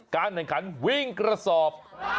การเนินคันวิ่งกระสอบ